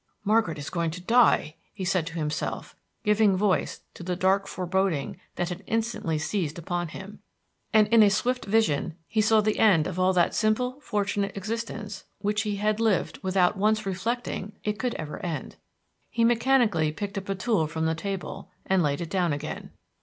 "Margaret is going to die," he said to himself, giving voice to the dark foreboding that had instantly seized upon him, and in a swift vision he saw the end of all that simple, fortunate existence which he had lived without once reflecting it could ever end. He mechanically picked up a tool from the table, and laid it down again.